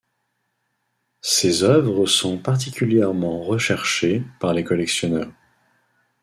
Ses œuvres sont particulièrement recherchées par les collectionneurs.